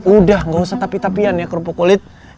udah gak usah tapi tapian ya kerupuk kulit